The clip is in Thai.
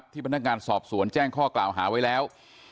พนักงานสอบสวนแจ้งข้อกล่าวหาไว้แล้ว